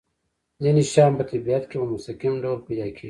ځینې شیان په طبیعت کې په مستقیم ډول پیدا کیږي.